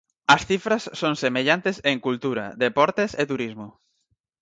As cifras son semellantes en Cultura, Deportes e Turismo.